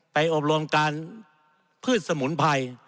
อบรมการพืชสมุนไพร